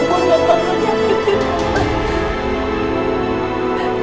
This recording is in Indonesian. gue gak akan menyakiti lu ma